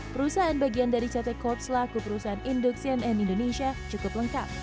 perusahaan bagian dari ct corp selaku perusahaan induk cnn indonesia cukup lengkap